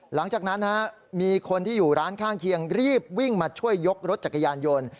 หลังจากนั้นมีคนที่อยู่ร้านข้างเคียงรีบวิ่งมาช่วยยกรถจักรยานยนต์